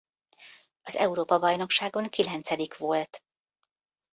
Az Európa-bajnokságon kilencedik volt.